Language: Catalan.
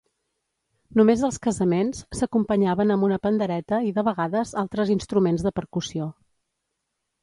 Només als casaments, s'acompanyaven amb una pandereta i de vegades altres instruments de percussió.